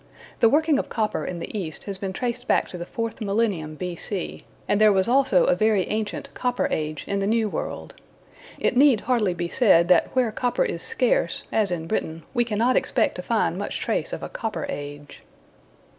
The working of copper in the East has been traced back to the fourth millennium B.C., and there was also a very ancient Copper Age in the New World. It need hardly be said that where copper is scarce, as in Britain, we cannot expect to find much trace of a Copper Age.